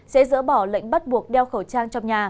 sẽ dỡ bỏ lệnh bắt buộc đeo khẩu trang trong nhà